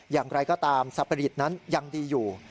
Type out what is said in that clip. อย่างไรก็ตามสปริตนั้นยังดีอยู่